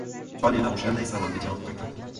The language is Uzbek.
Chol yana oʻshanday savolli javob qaytardi.